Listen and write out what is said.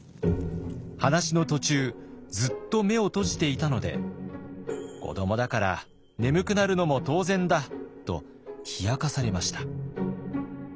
話の途中ずっと目を閉じていたので「子どもだから眠くなるのも当然だ」と冷やかされました。